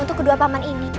untuk kedua paman ini